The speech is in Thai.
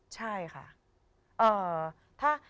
ใช่ค่ะ